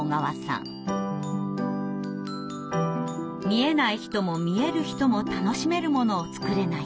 「見えない人も見える人も楽しめるものを作れないか」。